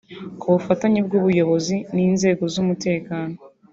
Ku bufatanye bw’ubuyobozi n’inzego z’umutekano